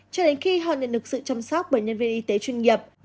cho đến khi họ nhận được sự chăm sóc bởi nhân viên y tế chuyên nghiệp